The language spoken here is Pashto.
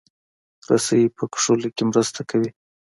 رسۍ په کښلو کې مرسته کوي.